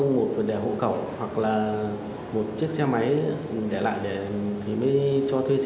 một cổng hoặc là một chiếc xe máy để lại để cho thuê xe